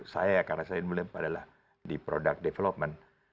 saya karena saya dulu di product development